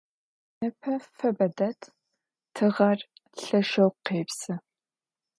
Нэпэ фэбэ дэд. Тыгъэр лъэшэу къепсы.